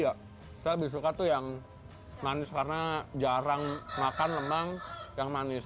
ya saya lebih suka tuh yang manis karena jarang makan lemang yang manis